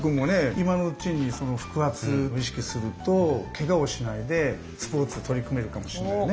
今のうちに腹圧を意識するとケガをしないでスポーツに取り組めるかもしれないよね。